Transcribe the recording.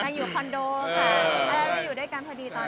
น้องอยู่คอนโดค่ะอยู่ด้วยกันพอดีตอนนั้น